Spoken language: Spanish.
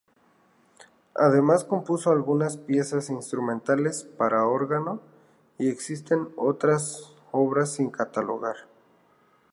Además compuso algunas piezas instrumentales para órgano, y existen otras obras sin catalogar.